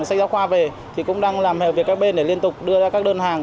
sách giáo khoa về thì cũng đang làm việc các bên để liên tục đưa ra các đơn hàng